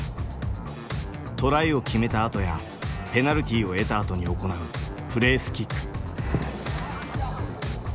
トライを決めたあとやペナルティーを得たあとに行うプレースキック。